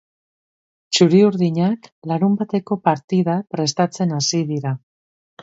Txuri-urdinak larunbateko partida prestatzen hasi dira.